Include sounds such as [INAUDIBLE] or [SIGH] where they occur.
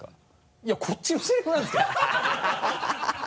いやこっちのセリフなんですけどハハハ [LAUGHS]